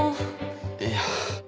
いや。